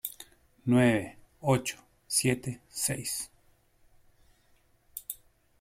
Nueve, ocho , siete , seis...